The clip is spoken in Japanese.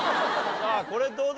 さあこれどうだ？